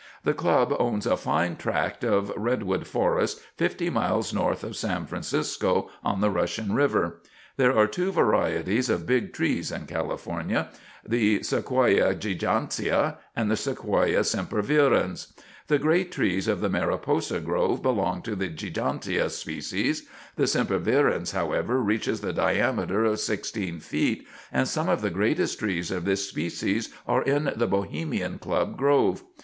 The club owns a fine tract of redwood forest fifty miles north of San Francisco on the Russian River. There are two varieties of big trees in California: the Sequoia gigantea and the Sequoia sempervirens. The great trees of the Mariposa grove belong to the gigantea species. The sempervirens, however, reaches the diameter of 16 feet, and some of the greatest trees of this species are in the Bohemian Club grove.